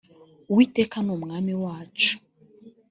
uwiteka numwami wacu.